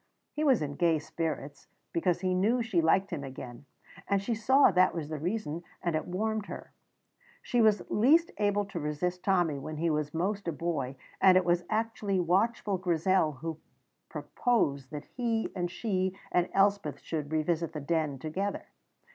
He was in gay spirits, because he knew she liked him again; and she saw that was the reason, and it warmed her. She was least able to resist Tommy when he was most a boy, and it was actually watchful Grizel who proposed that he and she and Elspeth should revisit the Den together.